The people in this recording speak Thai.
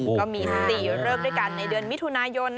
ก็มี๔เลิกด้วยกันในเดือนมิถุนายน